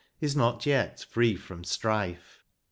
Is yet not free from strife.